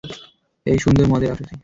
এই সুন্দর মদের আসরে।